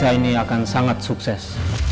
proyek kita ini akan sangat sukses